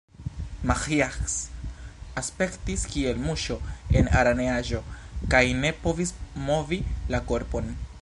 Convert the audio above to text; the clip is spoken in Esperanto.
Maĥiac aspektis kiel muŝo en araneaĵo, kaj ne povis movi la korpon.